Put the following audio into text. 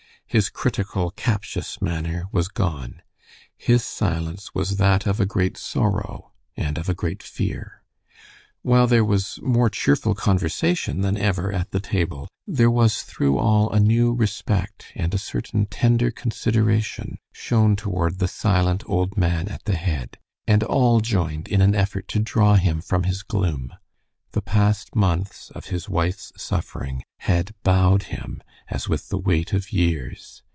His critical, captious manner was gone. His silence was that of a great sorrow, and of a great fear. While there was more cheerful conversation than ever at the table, there was through all a new respect and a certain tender consideration shown toward the silent old man at the head, and all joined in an effort to draw him from his gloom. The past months of his wife's suffering had bowed him as with the weight of years.